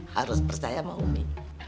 harus percaya sama umi